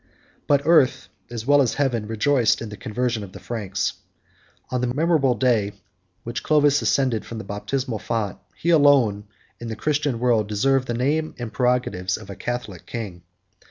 But earth, as well as heaven, rejoiced in the conversion of the Franks. On the memorable day when Clovis ascended from the baptismal font, he alone, in the Christian world, deserved the name and prerogatives of a Catholic king.